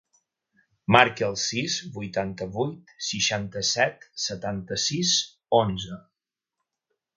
Marca el sis, vuitanta-vuit, seixanta-set, setanta-sis, onze.